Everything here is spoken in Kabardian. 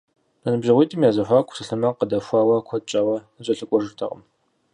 Зэныбжьэгъуитӏым я зэхуаку псалъэмакъ къыдэхуауэ, куэд щӏауэ зэкӏэлъыкӏуэжыртэкъым.